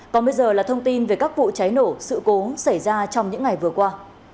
còn bây giờ là thông tin về các vụ cháy nổ sự cố xảy ra trong những ngày vừa qua